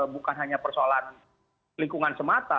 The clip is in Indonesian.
bukan hanya persoalan lingkungan semata